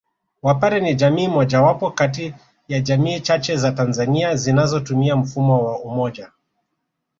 Wapare ni jamii mojawapo kati ya jamii chache za Tanzania zinazotumia mfumo wa Umoja